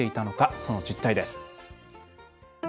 その実態です。